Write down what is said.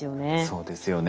そうですよね。